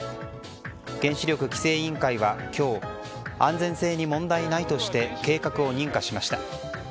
原子力規制委員会は今日安全性に問題ないとして計画を認可しました。